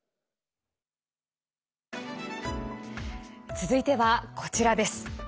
続いてはこちらです。